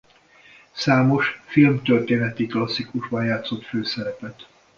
Számos filmtörténeti klasszikusban játszott főszerepet.